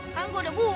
kan gue udah buang